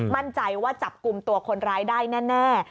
มั่นใจว่าจับกลุ่มตัวคนร้ายได้แน่